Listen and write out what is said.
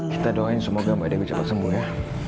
kita doain semoga mbak dewi cepat sembuh ya